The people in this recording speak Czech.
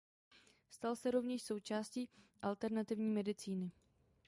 Stal se rovněž součástí alternativní medicíny.